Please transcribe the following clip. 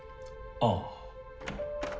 ああ。